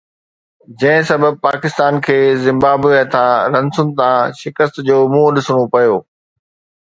جنهن سبب پاڪستان کي زمبابوي هٿان رنسن تان شڪست جو منهن ڏسڻو پيو